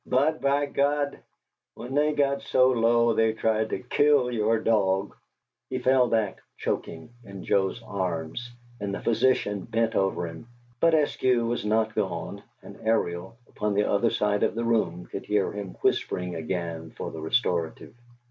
"But, by God! when they got so low down they tried to kill your dog " He fell back, choking, in Joe's arms, and the physician bent over him, but Eskew was not gone, and Ariel, upon the other side of the room, could hear him whispering again for the restorative.